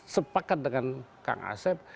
sepakat dengan kang asep